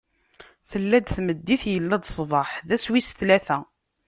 Tella-d tmeddit, illa-d ṣṣbeḥ: d ass wis tlata.